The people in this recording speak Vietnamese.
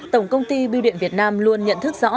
tổng công ty biêu điện việt nam luôn nhận thức rõ